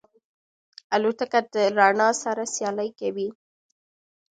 الوتکه د رڼا سره سیالي کوي.